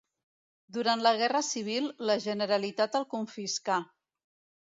Durant la Guerra Civil, la Generalitat el confiscà.